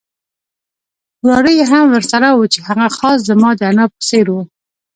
وراره یې هم ورسره وو چې هغه خاص زما د انا په څېر وو.